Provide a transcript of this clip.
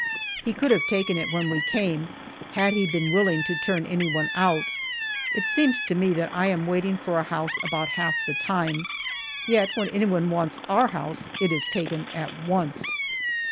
He could have taken it when we came had he been willing to turn anyone out. It seems to me that I am waiting for a house about half the time, yet when anyone wants our house it is taken at once!